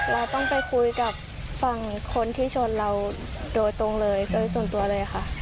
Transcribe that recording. เราต้องไปคุยกับฝั่งคนที่ชนเราโดยตรงเลยโดยส่วนตัวเลยค่ะ